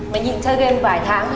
mày nhịn chơi game vài tháng